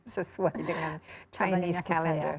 sesuai dengan chinese calendar